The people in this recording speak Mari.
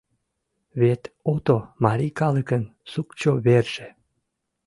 Вет ото — марий калыкын сукчо верже.